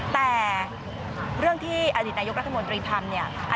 แต่เรื่องที่อดีตนายกรัฐมนตรีทำเนี่ย